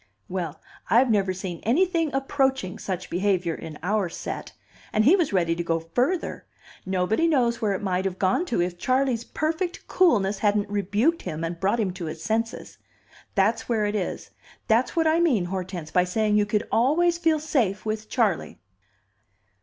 "Well, I've never seen anything approaching such behavior in our set. And he was ready to go further. Nobody knows where it might have gone to, if Charley's perfect coolness hadn't rebuked him and brought him to his senses. There's where it is, that's what I mean, Hortense, by saying you could always feel safe with Charley."